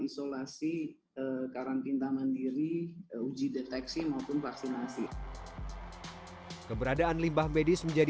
isolasi karantina mandiri uji deteksi maupun vaksinasi keberadaan limbah medis menjadi